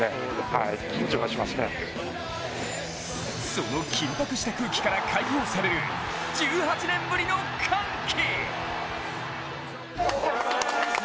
その緊迫した空気から解放される１８年ぶりの歓喜。